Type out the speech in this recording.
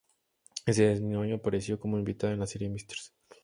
Ese mismo año apareció como invitada en la serie "Mrs.